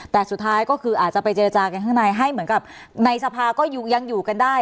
แต่สุดท้ายก็คืออาจจะไปเจรจากันข้างในให้เหมือนกับในสภาก็ยังอยู่กันได้